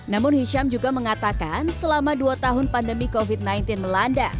namun hisham juga mengatakan selama dua tahun pandemi covid sembilan belas melanda